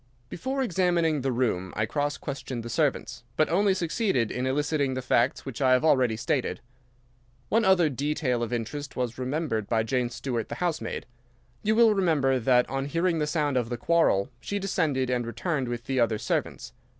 "Before examining the room I cross questioned the servants, but only succeeded in eliciting the facts which I have already stated. One other detail of interest was remembered by Jane Stewart, the housemaid. You will remember that on hearing the sound of the quarrel she descended and returned with the other servants.